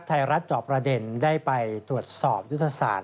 จอบประเด็นได้ไปตรวจสอบยุทธศาสตร์